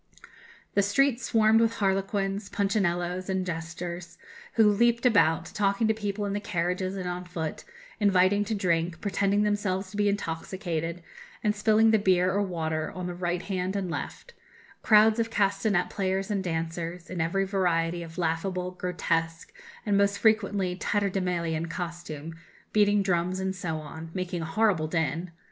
"The streets swarmed with harlequins, punchinellos, and jesters, who leaped about, talking to people in the carriages and on foot, inviting to drink, pretending themselves to be intoxicated, and spilling the beer or water on the right hand and left; crowds of castanet players and dancers, in every variety of laughable, grotesque, and most frequently tatterdemalion costume, beating drums, and so on making a horrible din.